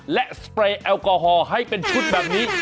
และสเปรย์แอลกอฮอล์ให้เป็นชุดแบบนี้